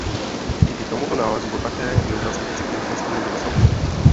Díky tomuto nálezu byl také vyobrazen v cyklu "Ve stínu dinosaurů".